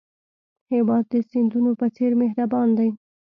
هېواد د سیندونو په څېر مهربان دی.